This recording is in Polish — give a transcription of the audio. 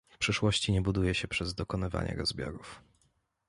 Przyszłości nie buduje się przez dokonywanie rozbiorów